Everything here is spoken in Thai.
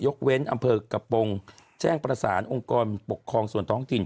เว้นอำเภอกระโปรงแจ้งประสานองค์กรปกครองส่วนท้องถิ่น